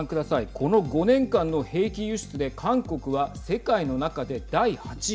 この５年間の兵器輸出で韓国は世界の中で第８位。